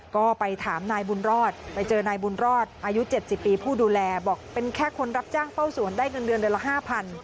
ก็ไปถามนายบุญรอดไปเจอนายบุญรอดอายุ๗๐ปีผู้ดูแลบอกเป็นแค่คนรับจ้างเฝ้าสวนได้เงินเดือนเดือนละ๕๐๐